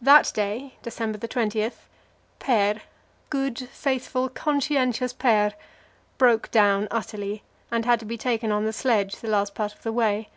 That day December 20 Per good, faithful, conscientious Per broke down utterly and had to be taken on the sledge the last part of the way.